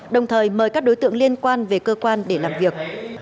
đồng thời mời các đối tượng liên quan về cơ quan để làm việc